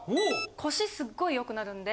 腰すっごい良くなるんで。